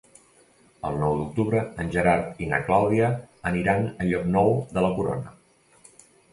El nou d'octubre en Gerard i na Clàudia iran a Llocnou de la Corona.